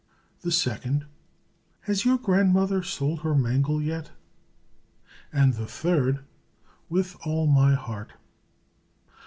The second, "Has your grandmother sold her mangle yet?" And the third, "With all my heart!"